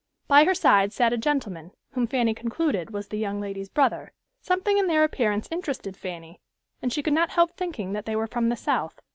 By her side sat a gentleman, whom Fanny concluded was the young lady's brother. Something in their appearance interested Fanny, and she could not help thinking that they were from the South.